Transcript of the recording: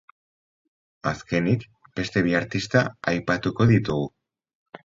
Azkenik, beste bi artista aipatuko ditugu.